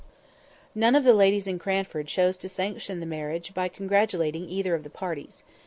None of the ladies in Cranford chose to sanction the marriage by congratulating either of the parties.